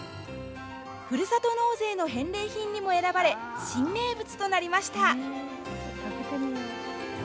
ふるさと納税の返礼品にも選ばれ新名物となりました。